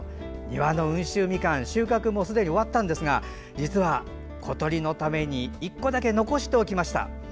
庭の温州ミカン収穫もすでに終わったんですが実は、小鳥のために１個だけ残しておきました。